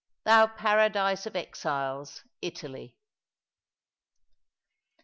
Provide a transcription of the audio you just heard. "thou PABADISE of exiles, ITALY."